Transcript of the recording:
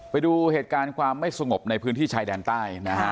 ไปดูเหตุการณ์ความไม่สงบในพื้นที่ชายแดนใต้นะฮะ